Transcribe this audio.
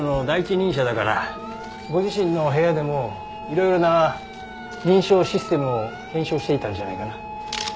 ご自身の部屋でもいろいろな認証システムを検証していたんじゃないかな？